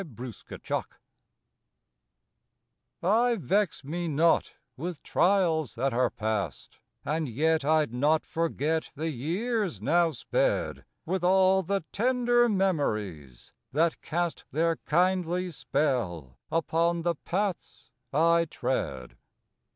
April Eighth THE PAST VEX me not with trials that are past, And yet I d not forget the years now sped With all the Bender memories that cast Their kindly spell upon the paths I tread.